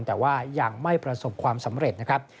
แต่ว่ายังไม่ประสบความสำเร็จนะครับ